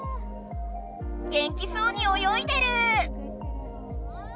元気そうにおよいでる！